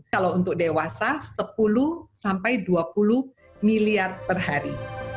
kalau untuk dewasa sepuluh sampai dua puluh miliar per hari